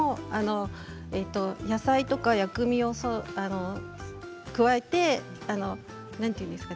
野菜とか薬味を加えて何ていうんですか？